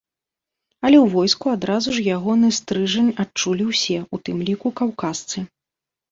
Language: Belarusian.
Але ў войску адразу ж ягоны стрыжань адчулі ўсе, у тым ліку каўказцы.